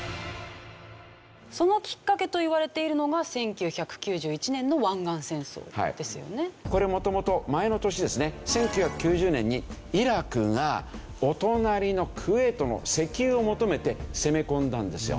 そのきっかけといわれているのがこれ元々前の年ですね１９９０年にイラクがお隣のクウェートの石油を求めて攻め込んだんですよ。